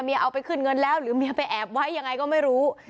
เอาไปขึ้นเงินแล้วหรือเมียไปแอบไว้ยังไงก็ไม่รู้